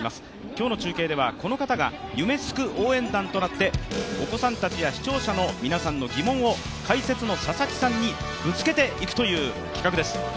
今日の中継ではこの方が夢すく応援団となってお子さんたちや視聴者の皆さんの疑問を解説の佐々木さんにぶつけていくという企画です。